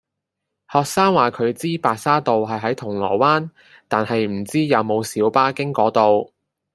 學生話佢知白沙道係喺銅鑼灣，但係唔知有冇小巴經嗰度